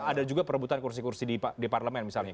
ada juga perebutan kursi kursi di parlemen misalnya